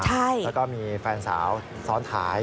แล้วก็มีแฟนสาวซ้อนท้าย